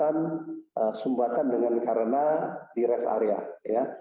yang ketiga mungkin ada sumbatan dengan karena di rest area ya